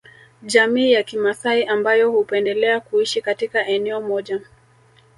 Jamii ya kimasai ambayo hupendelea kuishi katika eneo moja